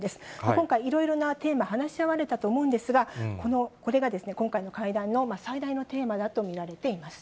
今回、いろいろなテーマ話し合われたと思うんですが、これが今回の会談の最大のテーマだと見られています。